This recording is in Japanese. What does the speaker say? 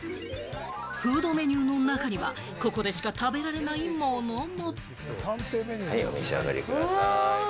フードメニューの中にはここでしか食べられないものも。